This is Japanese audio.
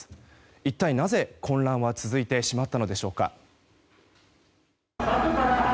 一体なぜ、混乱は続いてしまったのでしょうか。